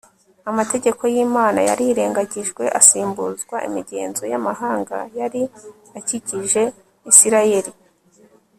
amategeko y'imana yarirengagijwe asimbuzwa imigenzo y'amahanga yari akikije isirayeli